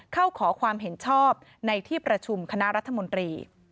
ขอความเห็นชอบในที่ประชุมคณะรัฐมนตรี